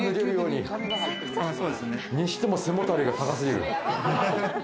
にしても、背もたれが高すぎる。